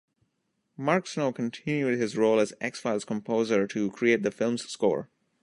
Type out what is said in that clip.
Mark Snow continued his role as "X-Files" composer to create the film's score.